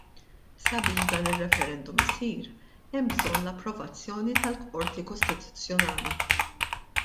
Sabiex dan ir-referendum isir hemm bżonn l-approvazzjoni tal-Qorti Kostituzzjonali.